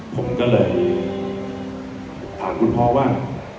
ผมก็เลยถามคุณพ่อว่า